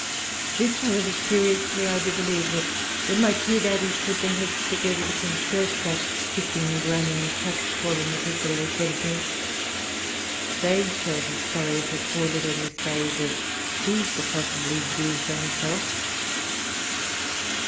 This, however, seriously I do believe, that when my two daddies put their heads together to concert that hissing, groaning, catcalling epistle they sent me, they felt as sorry for poor little Miss Bayes as she could possibly do for herself.